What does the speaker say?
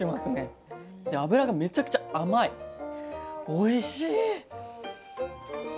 おいしい！